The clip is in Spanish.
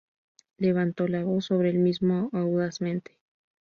Levantó la voz sobre el mismo audazmente".